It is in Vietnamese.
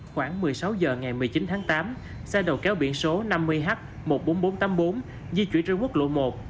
khoảng một mươi sáu h ngày một mươi chín tháng tám xe đầu kéo biển số năm mươi h một mươi bốn nghìn bốn trăm tám mươi bốn di chuyển trên quốc lộ một